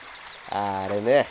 ああれね。